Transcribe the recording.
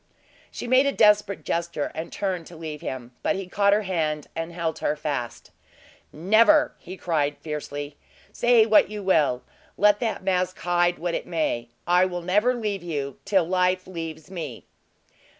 She made a desperate gesture, and turned to leave him, but he caught her hand and held her fast. "Never!" he cried, fiercely. "Say what you will! let that mask hide what it may! I will never leave you till life leaves me!"